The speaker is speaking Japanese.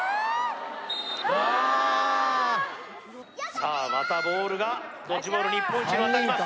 さあまたボールがドッジボール日本一に渡ります